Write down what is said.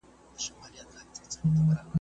تقدیر پاس په تدبیرونو پوري خاندي .